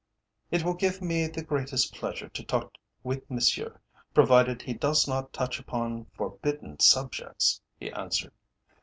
"It will give me the greatest pleasure to talk with Monsieur, provided he does not touch upon forbidden subjects," he answered.